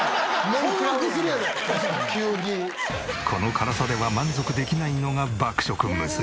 この辛さでは満足できないのが爆食娘。